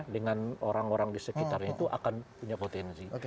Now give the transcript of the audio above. dengan orang orang di sekitarnya itu akan punya potensi